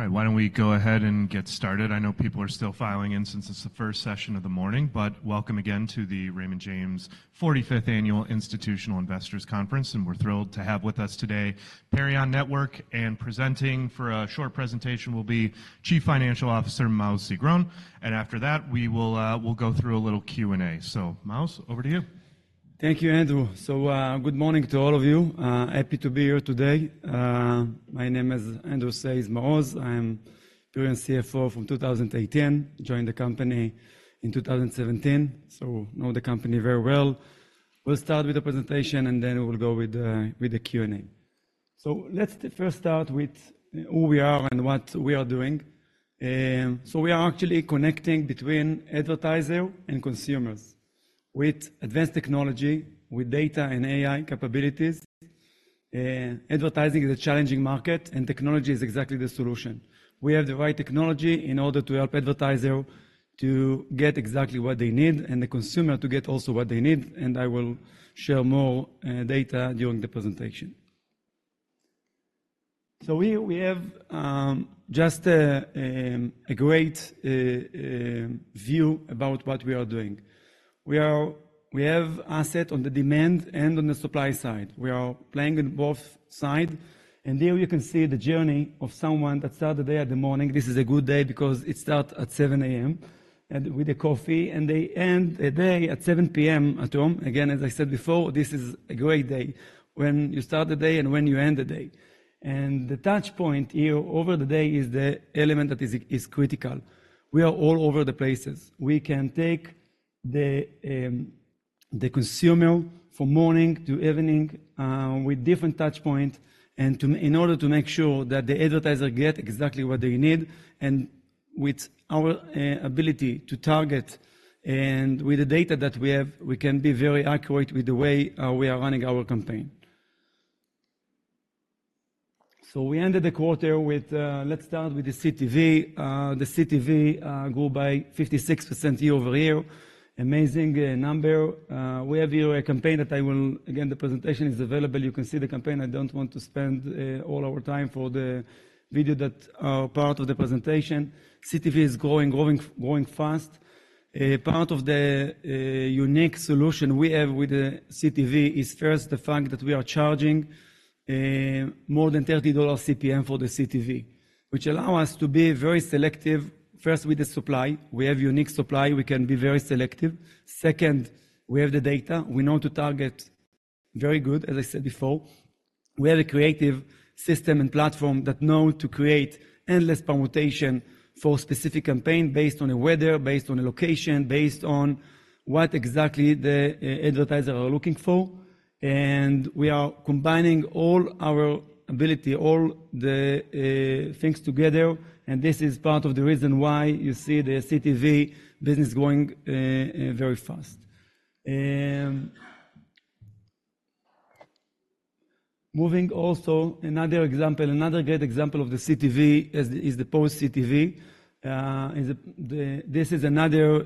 All right, why don't we go ahead and get started? I know people are still filing in since it's the first session of the morning, but welcome again to the Raymond James 45th Annual Institutional Investors Conference. We're thrilled to have with us today Perion Network, and presenting for a short presentation will be Chief Financial Officer Maoz Sigron. After that, we will go through a little Q&A. So Maoz, over to you. Thank you, Andrew. Good morning to all of you. Happy to be here today. My name, as Andrew says, is Maoz. I am Perion's CFO from 2018. Joined the company in 2017, so know the company very well. We'll start with the presentation, and then we will go with the Q&A. Let's first start with who we are and what we are doing. We are actually connecting between advertisers and consumers with advanced technology, with data and AI capabilities. Advertising is a challenging market, and technology is exactly the solution. We have the right technology in order to help advertisers to get exactly what they need and the consumer to get also what they need. I will share more data during the presentation. We have just a great view about what we are doing. We have assets on the demand and on the supply side. We are playing on both sides. Here you can see the journey of someone that starts the day at the morning (this is a good day because it starts at 7:00 A.M.) and with a coffee, and they end the day at 7:00 P.M. at home. Again, as I said before, this is a great day when you start the day and when you end the day. The touchpoint here over the day is the element that is critical. We are all over the places. We can take the consumer from morning to evening with different touchpoints in order to make sure that the advertiser gets exactly what they need. With our ability to target and with the data that we have, we can be very accurate with the way we are running our campaign. So we ended the quarter with, let's start with the CTV. The CTV grew by 56% year-over-year, amazing number. We have here a campaign that I will, again, the presentation is available. You can see the campaign. I don't want to spend all our time for the video that are part of the presentation. CTV is growing, growing, growing fast. Part of the unique solution we have with the CTV is first the fact that we are charging more than $30 CPM for the CTV, which allows us to be very selective. First, with the supply, we have unique supply. We can be very selective. Second, we have the data. We know to target very good, as I said before. We have a creative system and platform that knows to create endless permutation for a specific campaign based on the weather, based on the location, based on what exactly the advertisers are looking for. We are combining all our ability, all the things together. This is part of the reason why you see the CTV business growing very fast. Moving also, another example, another great example of the CTV is the Pause Ads. This is another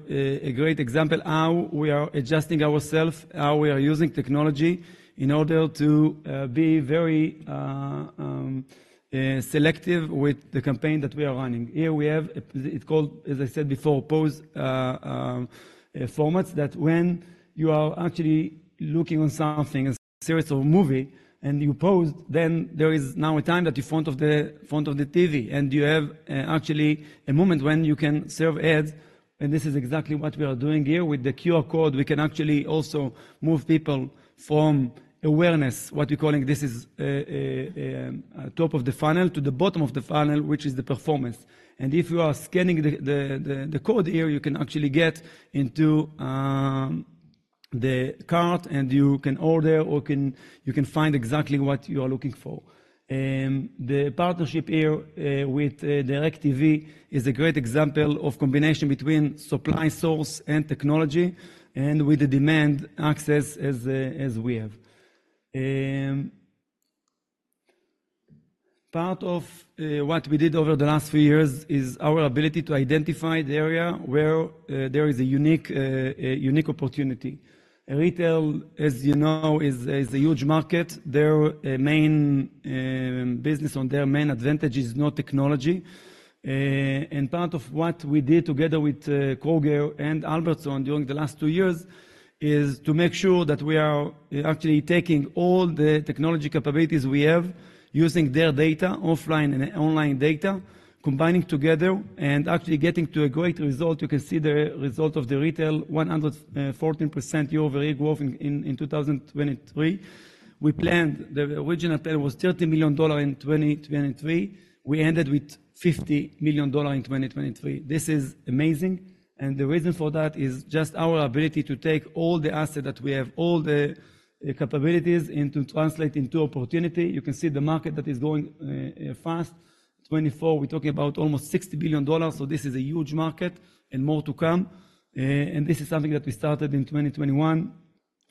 great example of how we are adjusting ourselves, how we are using technology in order to be very selective with the campaign that we are running. Here we have. It's called, as I said before, Pause Ads, that when you are actually looking on something, a series or movie, and you pause, then there is now a time that you're in front of the TV, and you have actually a moment when you can serve ads. This is exactly what we are doing here with the QR Code. We can actually also move people from awareness, what we're calling this is top of the funnel, to the bottom of the funnel, which is the performance. And if you are scanning the code here, you can actually get into the cart, and you can order or you can find exactly what you are looking for. The partnership here with DirecTV is a great example of combination between supply source and technology and with the demand access as we have. Part of what we did over the last few years is our ability to identify the area where there is a unique opportunity. Retail, as you know, is a huge market. Their main business and their main advantage is not technology. Part of what we did together with Kroger and Albertsons during the last two years is to make sure that we are actually taking all the technology capabilities we have, using their data, offline and online data, combining together and actually getting to a great result. You can see the result of the retail: 114% year-over-year growth in 2023. The original plan was $30 million in 2023. We ended with $50 million in 2023. This is amazing. And the reason for that is just our ability to take all the assets that we have, all the capabilities, and to translate into opportunity. You can see the market that is going fast. 2024, we're talking about almost $60 billion. So this is a huge market and more to come. And this is something that we started in 2021,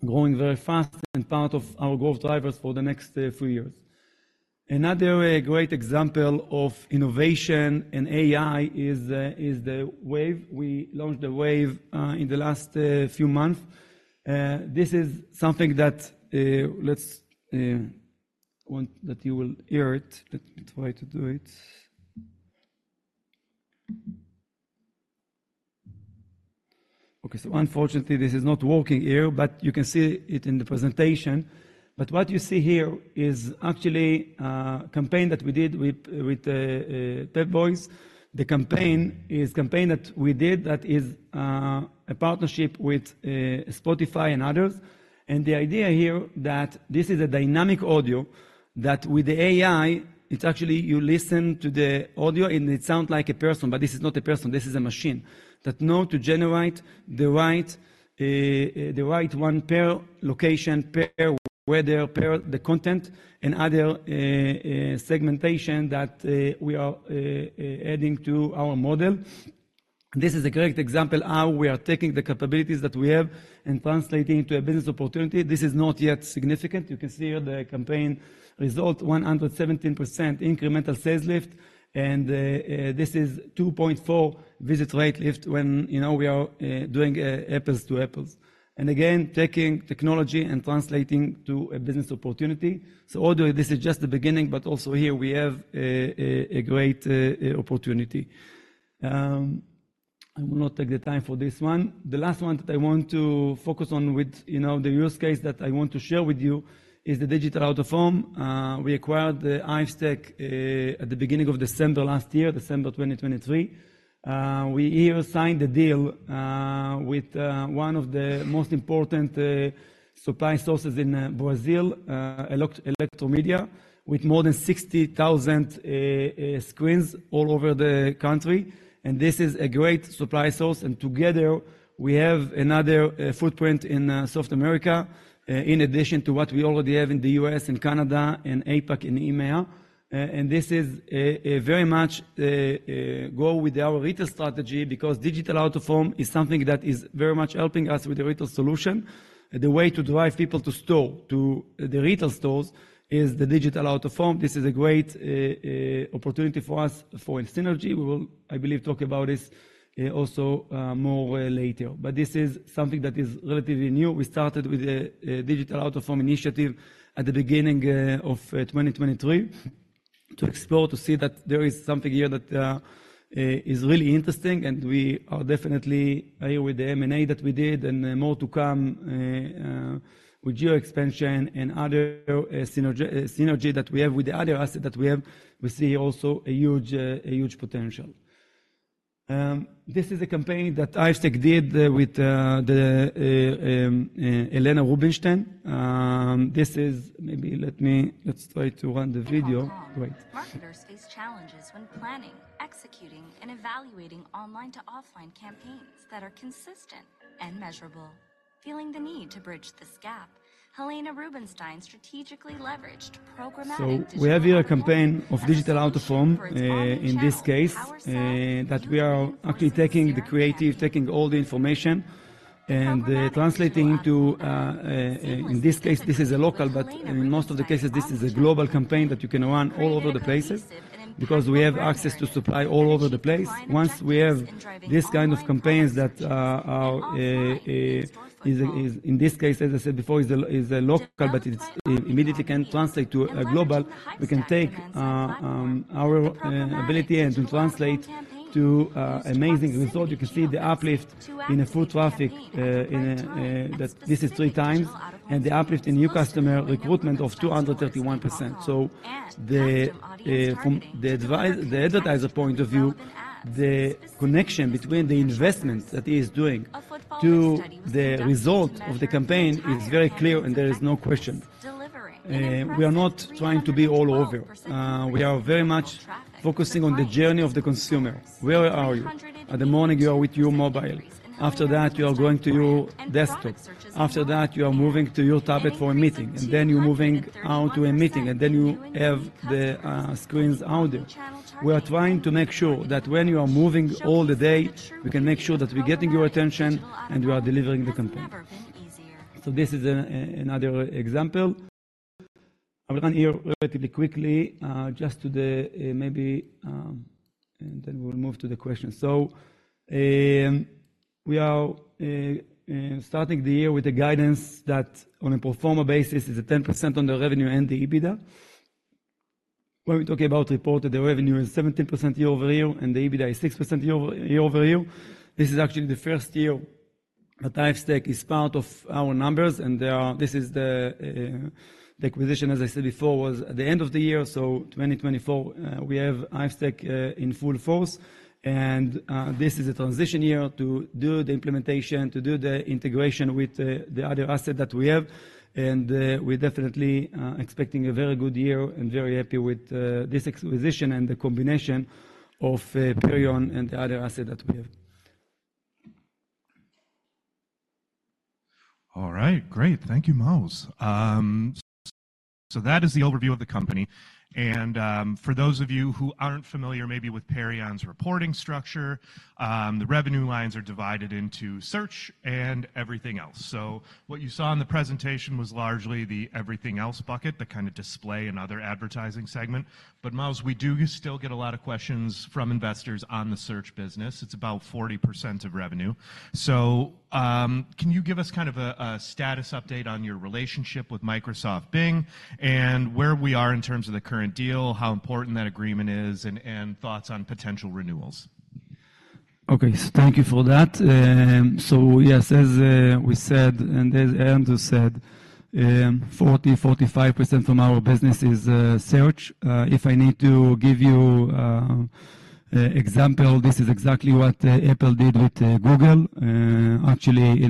growing very fast and part of our growth drivers for the next few years. Another great example of innovation and AI is the Wave. We launched the Wave in the last few months. This is something that—let's want that you will hear it. Let me try to do it. Okay. So unfortunately, this is not working here, but you can see it in the presentation. But what you see here is actually a campaign that we did with Pep Boys. The campaign is a campaign that we did that is a partnership with Spotify and others. And the idea here is that this is a dynamic audio that, with the AI, it's actually you listen to the audio, and it sounds like a person, but this is not a person. This is a machine that knows to generate the right one per: location, per weather, per the content, and other segmentation that we are adding to our model. This is a great example of how we are taking the capabilities that we have and translating into a business opportunity. This is not yet significant. You can see here the campaign result: 117% incremental sales lift. This is 2.4 visits rate lift when we are doing apples to apples. Again, taking technology and translating to a business opportunity. Although this is just the beginning, but also here we have a great opportunity. I will not take the time for this one. The last one that I want to focus on with the use case that I want to share with you is the digital out-of-home. We acquired Hivestack at the beginning of December last year, December 2023. We here signed a deal with one of the most important supply sources in Brazil, Eletromidia, with more than 60,000 screens all over the country. This is a great supply source. Together, we have another footprint in South America, in addition to what we already have in the US and Canada and APAC and EMEA. This is very much go with our retail strategy because digital out-of-home is something that is very much helping us with the retail solution. The way to drive people to store, to the retail stores, is the digital out-of-home. This is a great opportunity for us for synergy. We will, I believe, talk about this also more later. But this is something that is relatively new. We started with the digital out-of-home initiative at the beginning of 2023 to explore, to see that there is something here that is really interesting. We are definitely here with the M&A that we did and more to come with geo-expansion and other synergy that we have with the other assets that we have. We see here also a huge potential. This is a campaign that Hivestack did with Helena Rubinstein. This is maybe let me let's try to run the video. Great. Marketers face challenges when planning, executing, and evaluating online-to-offline campaigns that are consistent and measurable. Feeling the need to bridge this gap, Helena Rubinstein strategically leveraged programmatic decision-making. So we have here a campaign of digital out-of-home in this case that we are actually taking the creative, taking all the information, and translating into in this case, this is a local, but in most of the cases, this is a global campaign that you can run all over the places because we have access to supply all over the place. Once we have this kind of campaigns that are in this case, as I said before, is a local, but it immediately can translate to a global, we can take our ability and translate to amazing results. You can see the uplift in foot traffic that this is 3 times, and the uplift in new customer recruitment of 231%. So from the advertiser point of view, the connection between the investment that he is doing to the result of the campaign is very clear, and there is no question. We are not trying to be all over. We are very much focusing on the journey of the consumer. Where are you? In the morning, you are with your mobile. After that, you are going to your desktop. After that, you are moving to your tablet for a meeting, and then you're moving out to a meeting, and then you have the screens out there. We are trying to make sure that when you are moving all the day, we can make sure that we're getting your attention and we are delivering the campaign. So this is another example. I will run here relatively quickly just to the maybe and then we will move to the questions. So we are starting the year with a guidance that on a pro forma basis, it's 10% on the revenue and the EBITDA. When we talk about reported, the revenue is 17% year-over-year, and the EBITDA is 6% year-over-year. This is actually the first year that Hivestack is part of our numbers. And this is the acquisition, as I said before, was at the end of the year. So 2024, we have Hivestack in full force. And this is a transition year to do the implementation, to do the integration with the other assets that we have. And we're definitely expecting a very good year and very happy with this acquisition and the combination of Perion and the other assets that we have. All right. Great. Thank you, Maoz. So that is the overview of the company. For those of you who aren't familiar maybe with Perion's reporting structure, the revenue lines are divided into search and everything else. What you saw in the presentation was largely the everything else bucket, the kind of display and other advertising segment. Maoz, we do still get a lot of questions from investors on the search business. It's about 40% of revenue. Can you give us kind of a status update on your relationship with Microsoft Bing and where we are in terms of the current deal, how important that agreement is, and thoughts on potential renewals? Okay. Thank you for that. So yes, as we said and as Andrew said, 40%-45% from our business is search. If I need to give you an example, this is exactly what Apple did with Google. Actually,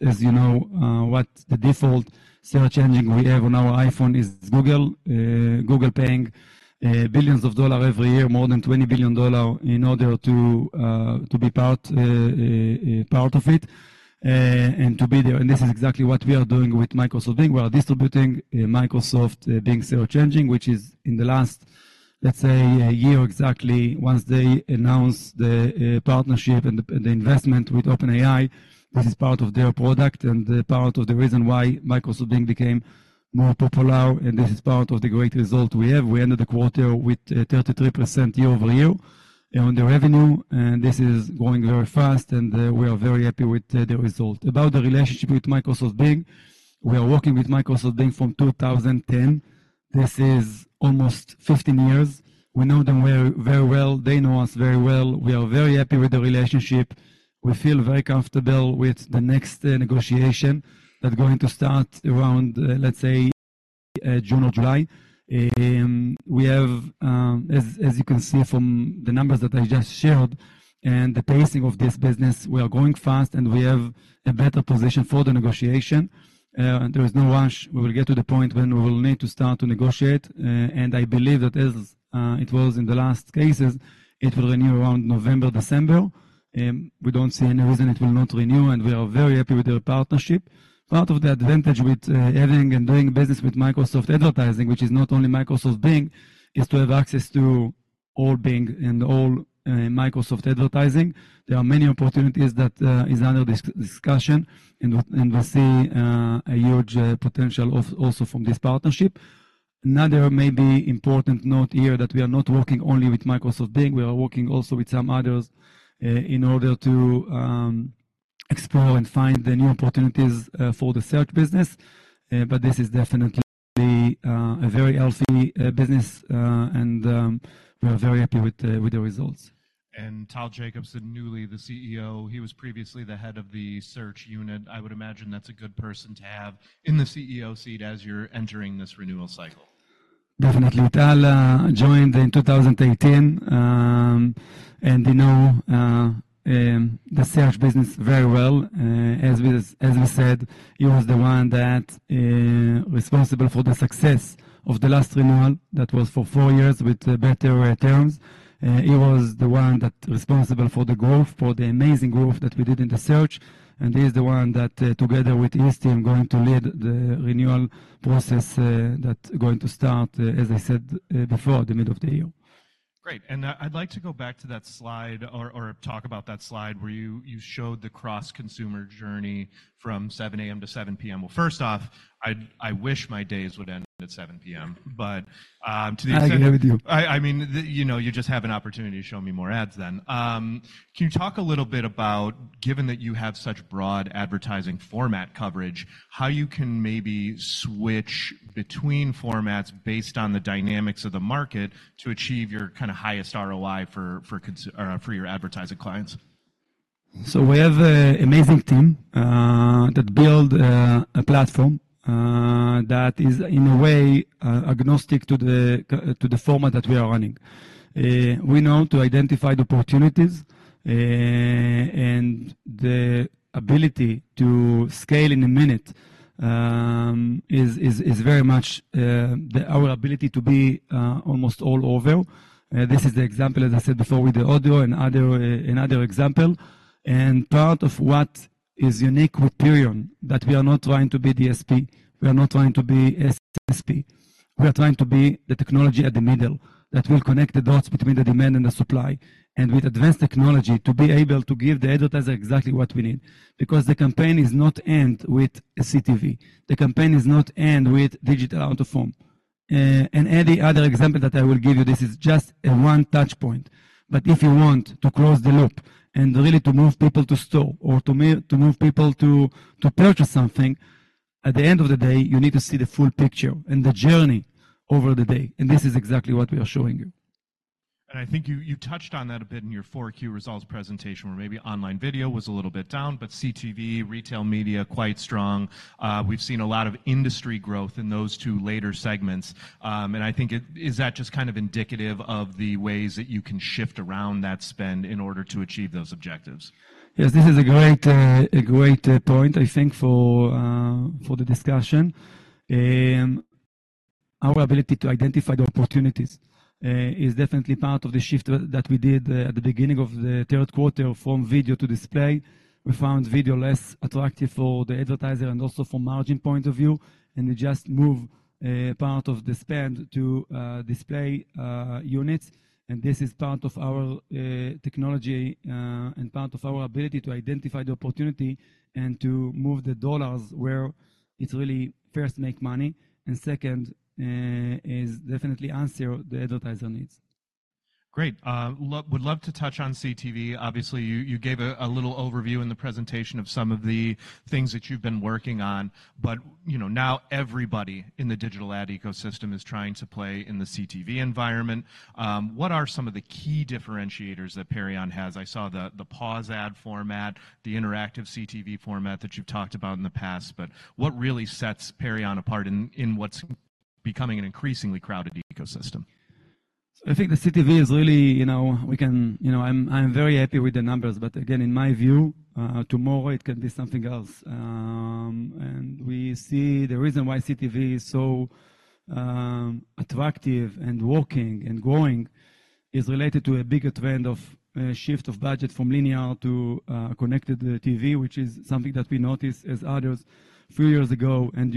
as you know, the default search engine we have on our iPhone is Google, Google paying billions of dollars every year, more than $20 billion, in order to be part of it and to be there. And this is exactly what we are doing with Microsoft Bing. We are distributing Microsoft Bing search engine, which is in the last, let's say, year exactly, once they announced the partnership and the investment with OpenAI, this is part of their product and part of the reason why Microsoft Bing became more popular. And this is part of the great result we have. We ended the quarter with 33% year-over-year on the revenue. This is growing very fast, and we are very happy with the result. About the relationship with Microsoft Bing, we are working with Microsoft Bing from 2010. This is almost 15 years. We know them very well. They know us very well. We are very happy with the relationship. We feel very comfortable with the next negotiation that's going to start around, let's say, June or July. As you can see from the numbers that I just shared and the pacing of this business, we are going fast, and we have a better position for the negotiation. There is no rush. We will get to the point when we will need to start to negotiate. I believe that, as it was in the last cases, it will renew around November, December. We don't see any reason it will not renew, and we are very happy with their partnership. Part of the advantage with having and doing business with Microsoft Advertising, which is not only Microsoft Bing, is to have access to all Bing and all Microsoft Advertising. There are many opportunities that are under discussion, and we'll see a huge potential also from this partnership. Another maybe important note here is that we are not working only with Microsoft Bing. We are working also with some others in order to explore and find the new opportunities for the search business. But this is definitely a very healthy business, and we are very happy with the results. Tal Jacobson, newly the CEO, he was previously the head of the search unit. I would imagine that's a good person to have in the CEO seat as you're entering this renewal cycle. Definitely. Tal joined in 2018, and he knows the search business very well. As we said, he was the one that was responsible for the success of the last renewal that was for four years with better terms. He was the one that was responsible for the growth, for the amazing growth that we did in the search. And he is the one that, together with his team, is going to lead the renewal process that's going to start, as I said before, the middle of the year. Great. And I'd like to go back to that slide or talk about that slide where you showed the cross-consumer journey from 7:00 A.M. to 7:00 P.M. Well, first off, I wish my days would end at 7:00 P.M. But to the extent. I agree with you. I mean, you just have an opportunity to show me more ads than. Can you talk a little bit about, given that you have such broad advertising format coverage, how you can maybe switch between formats based on the dynamics of the market to achieve your kind of highest ROI for your advertising clients? We have an amazing team that builds a platform that is, in a way, agnostic to the format that we are running. We know how to identify the opportunities, and the ability to scale in a minute is very much our ability to be almost all over. This is the example, as I said before, with the audio and another example. Part of what is unique with Perion is that we are not trying to be DSP. We are not trying to be SSP. We are trying to be the technology at the middle that will connect the dots between the demand and the supply and, with advanced technology, be able to give the advertiser exactly what we need because the campaign is not ending with a CTV. The campaign is not ending with digital out-of-home. Any other example that I will give you, this is just one touchpoint. But if you want to close the loop and really to move people to store or to move people to purchase something, at the end of the day, you need to see the full picture and the journey over the day. This is exactly what we are showing you. I think you touched on that a bit in your 4Q results presentation where maybe online video was a little bit down, but CTV, retail media, quite strong. We've seen a lot of industry growth in those two latter segments. I think, is that just kind of indicative of the ways that you can shift around that spend in order to achieve those objectives? Yes. This is a great point, I think, for the discussion. Our ability to identify the opportunities is definitely part of the shift that we did at the beginning of the third quarter from video to display. We found video less attractive for the advertiser and also from a margin point of view. And we just moved part of the spend to display units. And this is part of our technology and part of our ability to identify the opportunity and to move the dollars where it's really first, make money, and second, definitely answer the advertiser needs. Great. Would love to touch on CTV. Obviously, you gave a little overview in the presentation of some of the things that you've been working on. But now everybody in the digital ad ecosystem is trying to play in the CTV environment. What are some of the key differentiators that Perion has? I saw the pause ad format, the interactive CTV format that you've talked about in the past. But what really sets Perion apart in what's becoming an increasingly crowded ecosystem? So I think the CTV is really. We can. I'm very happy with the numbers. But again, in my view, tomorrow, it can be something else. And we see the reason why CTV is so attractive and working and growing is related to a bigger trend of shift of budget from linear to connected TV, which is something that we noticed as others a few years ago. And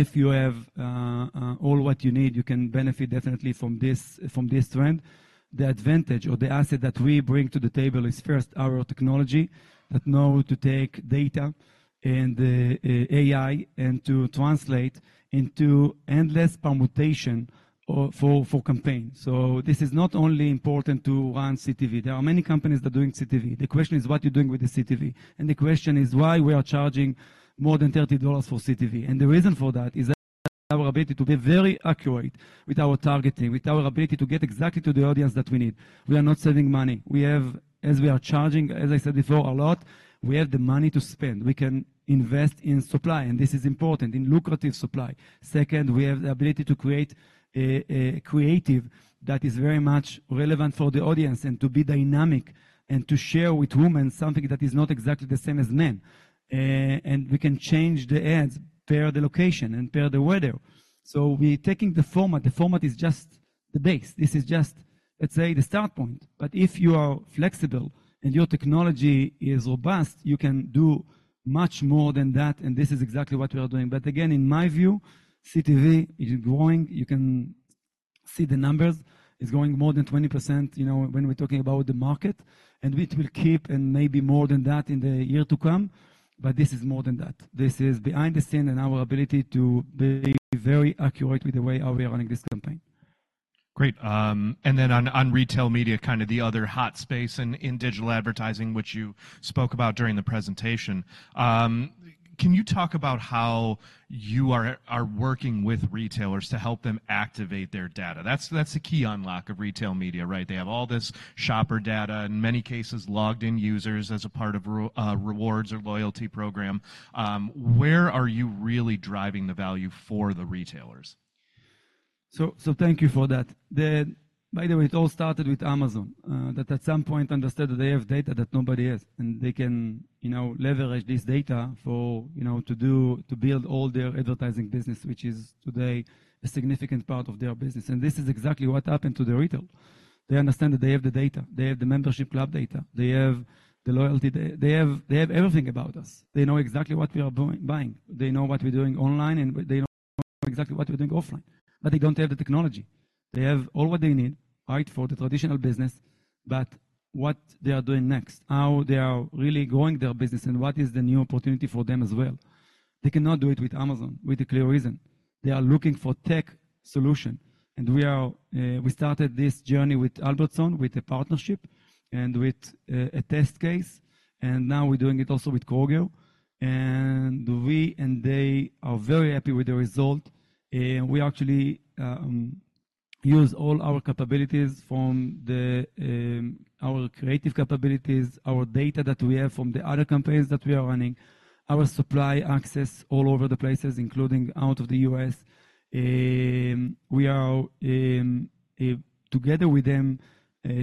if you have all what you need, you can benefit definitely from this trend. The advantage or the asset that we bring to the table is, first, our technology that knows how to take data and AI and to translate into endless permutation for campaigns. So this is not only important to run CTV. There are many companies that are doing CTV. The question is, what are you doing with the CTV? The question is, why are we charging more than $30 for CTV? The reason for that is our ability to be very accurate with our targeting, with our ability to get exactly to the audience that we need. We are not saving money. As we are charging, as I said before, a lot, we have the money to spend. We can invest in supply, and this is important, in lucrative supply. Second, we have the ability to create creative that is very much relevant for the audience and to be dynamic and to share with women something that is not exactly the same as men. And we can change the ads, perr the location, and per the weather. So we're taking the format. The format is just the base. This is just, let's say, the start point. But if you are flexible and your technology is robust, you can do much more than that. And this is exactly what we are doing. But again, in my view, CTV is growing. You can see the numbers. It's growing more than 20% when we're talking about the market. And it will keep and maybe more than that in the year to come. But this is more than that. This is behind the scenes and our ability to be very accurate with the way how we are running this campaign. Great. And then on retail media, kind of the other hot space in digital advertising, which you spoke about during the presentation, can you talk about how you are working with retailers to help them activate their data? That's the key unlock of retail media, right? They have all this shopper data, in many cases, logged-in users as a part of rewards or loyalty program. Where are you really driving the value for the retailers? Thank you for that. By the way, it all started with Amazon that, at some point, understood that they have data that nobody has. And they can leverage this data to build all their advertising business, which is today a significant part of their business. And this is exactly what happened to the retail. They understand that they have the data. They have the membership club data. They have the loyalty. They have everything about us. They know exactly what we are buying. They know what we're doing online, and they know exactly what we're doing offline. But they don't have the technology. They have all what they need, right, for the traditional business, but what they are doing next, how they are really growing their business, and what is the new opportunity for them as well. They cannot do it with Amazon with a clear reason. They are looking for a tech solution. We started this journey with Albertsons, with a partnership and with a test case. Now we're doing it also with Kroger. We and they are very happy with the result. We actually use all our capabilities from our creative capabilities, our data that we have from the other campaigns that we are running, our supply access all over the places, including out of the U.S. We are, together with them,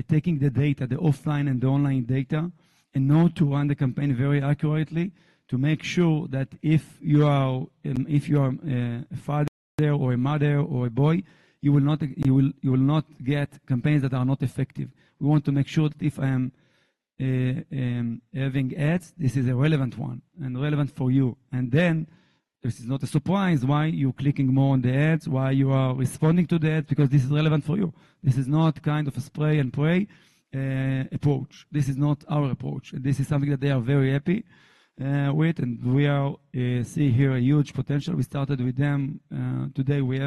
taking the data, the offline and the online data, and knowing how to run the campaign very accurately to make sure that if you are a father or a mother or a boy, you will not get campaigns that are not effective. We want to make sure that if I am having ads, this is a relevant one and relevant for you. Then this is not a surprise why you're clicking more on the ads, why you are responding to the ads, because this is relevant for you. This is not kind of a spray-and-pray approach. This is not our approach. This is something that they are very happy with. We see here a huge potential. We started with them. Today, we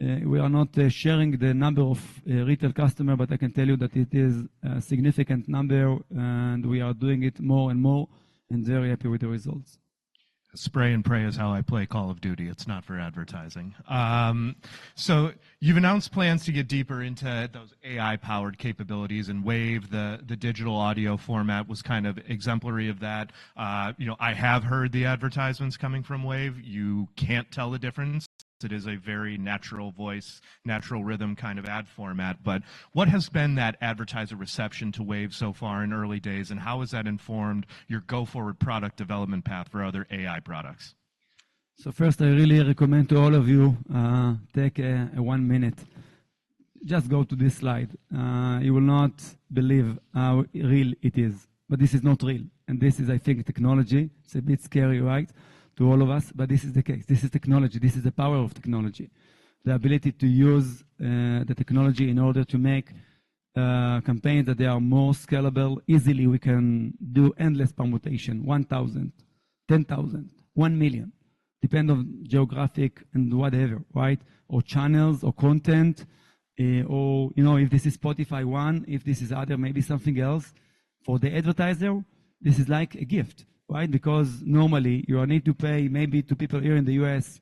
are not sharing the number of retail customers, but I can tell you that it is a significant number. We are doing it more and more and very happy with the results. Spray and pray is how I play Call of Duty. It's not for advertising. So you've announced plans to get deeper into those AI-powered capabilities. And Wave, the digital audio format, was kind of exemplary of that. I have heard the advertisements coming from Wave. You can't tell the difference. It is a very natural voice, natural rhythm kind of ad format. But what has been that advertiser reception to Wave so far in early days? And how has that informed your go-forward product development path for other AI products? First, I really recommend to all of you take 1 minute. Just go to this slide. You will not believe how real it is. But this is not real. This is, I think, technology. It's a bit scary, right, to all of us. But this is the case. This is technology. This is the power of technology, the ability to use the technology in order to make campaigns that are more scalable. Easily, we can do endless permutation, 1,000, 10,000, 1,000,000, depending on geographic and whatever, right, or channels or content. Or if this is Spotify One, if this is other, maybe something else. For the advertiser, this is like a gift, right, because normally, you need to pay maybe to people here in the U.S.,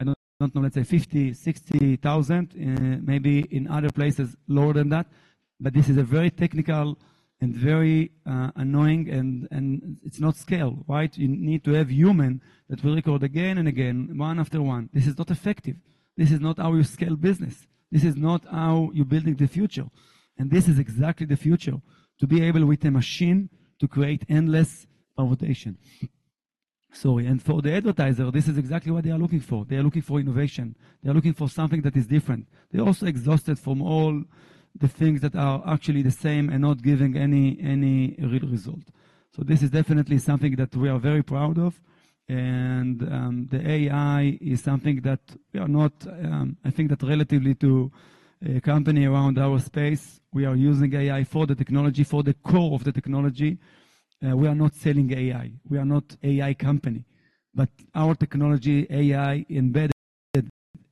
I don't know, let's say, $50,000-$60,000, maybe in other places, lower than that. But this is very technical and very annoying. And it's not scale, right? You need to have humans that will record again and again, one after one. This is not effective. This is not how you scale business. This is not how you're building the future. And this is exactly the future, to be able, with a machine, to create endless permutation. Sorry. And for the advertiser, this is exactly what they are looking for. They are looking for innovation. They are looking for something that is different. They are also exhausted from all the things that are actually the same and not giving any real result. So this is definitely something that we are very proud of. And the AI is something that we are not, I think that, relatively to a company around our space, we are using AI for the technology, for the core of the technology. We are not selling AI. We are not an AI company. But our technology, AI, embedded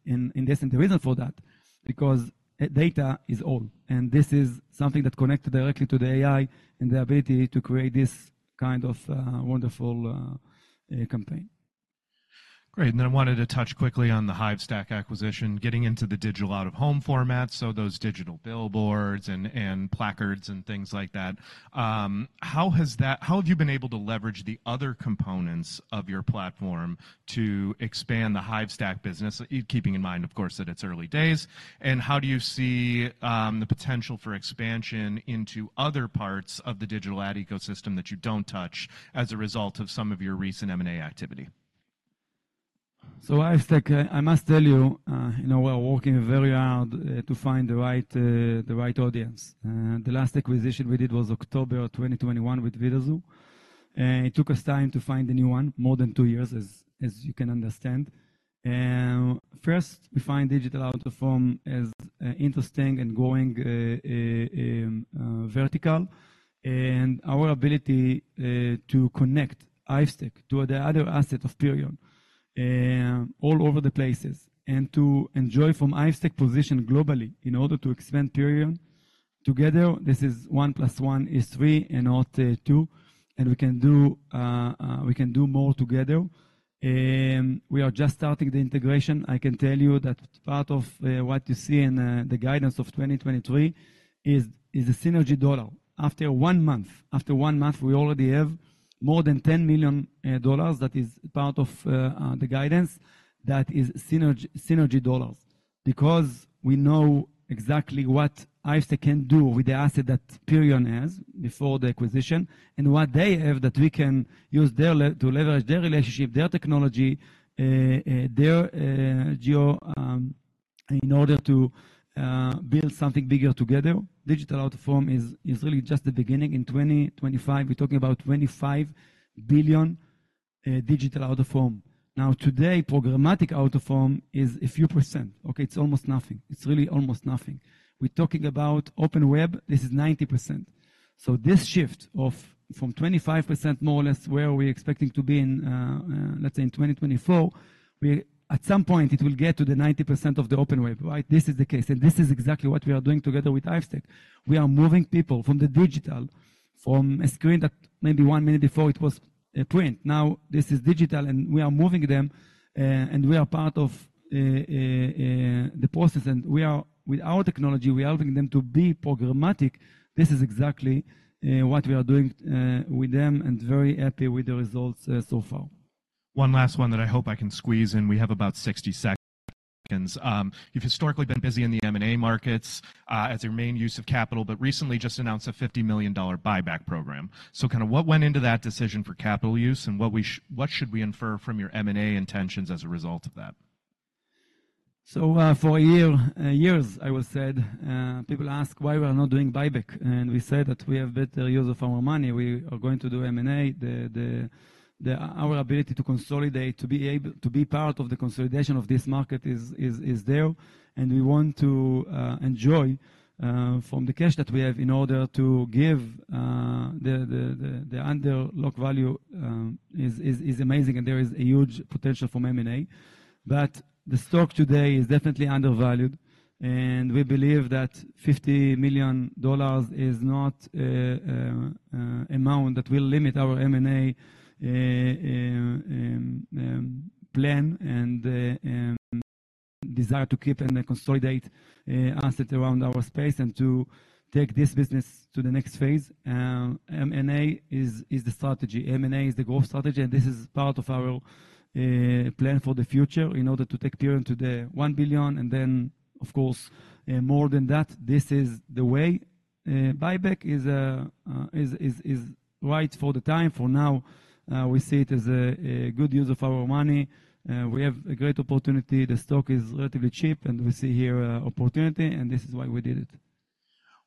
in this. And the reason for that is because data is all. And this is something that connects directly to the AI and the ability to create this kind of wonderful campaign. Great. Then I wanted to touch quickly on the Hivestack acquisition, getting into the digital out-of-home format. Those digital billboards and placards and things like that. How have you been able to leverage the other components of your platform to expand the Hivestack business, keeping in mind, of course, that it's early days? And how do you see the potential for expansion into other parts of the digital ad ecosystem that you don't touch as a result of some of your recent M&A activity? So Hivestack, I must tell you, we are working very hard to find the right audience. The last acquisition we did was October 2021 with Vidazoo. It took us time to find a new one, more than two years, as you can understand. First, we find digital out-of-home as interesting and growing vertical. Our ability to connect Hivestack to the other assets of Perion all over the places and to enjoy from Hivestack position globally in order to expand Perion together, this is one plus one is three and not two. We can do more together. We are just starting the integration. I can tell you that part of what you see in the guidance of 2023 is the synergy dollar. After one month, we already have more than $10 million that is part of the guidance that is synergy dollars because we know exactly what Hivestack can do with the asset that Perion has before the acquisition and what they have that we can use to leverage their relationship, their technology, their geo in order to build something bigger together. Digital out-of-home is really just the beginning. In 2025, we're talking about 25 billion digital out-of-home. Now, today, programmatic out-of-home is a few percent, okay? It's almost nothing. It's really almost nothing. We're talking about open web. This is 90%. So this shift from 25%, more or less, where we're expecting to be in, let's say, in 2024, at some point, it will get to the 90% of the open web, right? This is the case. This is exactly what we are doing together with Hivestack. We are moving people from the digital, from a screen that maybe one minute before, it was print. Now, this is digital. And we are moving them. And we are part of the process. And with our technology, we are helping them to be programmatic. This is exactly what we are doing with them, and very happy with the results so far. One last one that I hope I can squeeze in. We have about 60 seconds. You've historically been busy in the M&A markets as your main use of capital, but recently just announced a $50 million buyback program. So kind of what went into that decision for capital use? And what should we infer from your M&A intentions as a result of that? So for years, I would say, people ask why we are not doing buyback. And we say that we have better use of our money. We are going to do M&A. Our ability to consolidate, to be part of the consolidation of this market is there. And we want to enjoy from the cash that we have in order to give the unlocked value is amazing. And there is a huge potential from M&A. But the stock today is definitely undervalued. And we believe that $50 million is not an amount that will limit our M&A plan and desire to keep and consolidate assets around our space and to take this business to the next phase. M&A is the strategy. M&A is the growth strategy. And this is part of our plan for the future in order to take Perion to the $1 billion. And then, of course, more than that, this is the way. Buyback is right for the time. For now, we see it as a good use of our money. We have a great opportunity. The stock is relatively cheap. And we see here opportunity. And this is why we did it.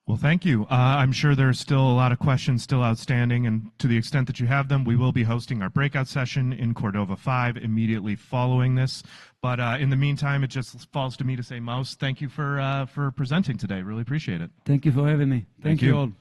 Well, thank you. I'm sure there are still a lot of questions still outstanding. To the extent that you have them, we will be hosting our breakout session in Cordova 5 immediately following this. In the meantime, it just falls to me to say, Maoz, thank you for presenting today. Really appreciate it. Thank you for having me. Thank you all.